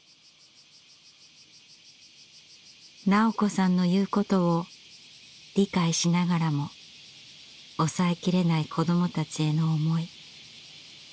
斉子さんの言うことを理解しながらも抑えきれない子どもたちへの思い。